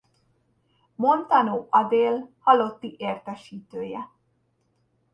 Montanó Adél halotti értesítője.